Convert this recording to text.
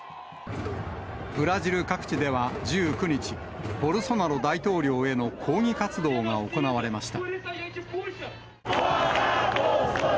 ブラジル各地では１９日、ボルソナロ大統領への抗議活動が行われました。